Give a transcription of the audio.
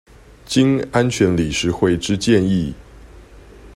經安全理事會之建議